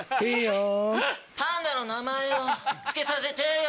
いいよ